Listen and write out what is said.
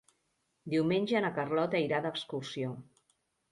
Diumenge na Carlota irà d'excursió.